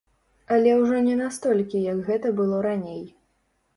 Але ўжо не настолькі, як гэта было раней.